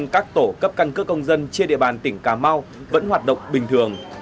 cấp căn cước công dân trên địa bàn tỉnh cà mau vẫn hoạt động bình thường